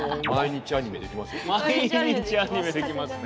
毎日アニメできますね。